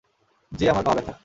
যে আমার পা ব্যাথা।